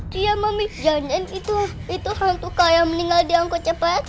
dia memikirkan itu itu hantu kayak meninggal di angkut cepat